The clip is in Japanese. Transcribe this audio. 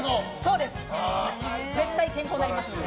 絶対健康になります。